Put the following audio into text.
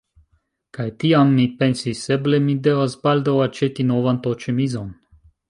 Kaj tiam mi pensis: eble mi devas baldaŭ aĉeti novan t-ĉemizon.